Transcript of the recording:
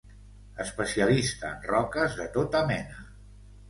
Especialista en roques de tota mena.